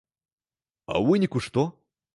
А ў выніку што?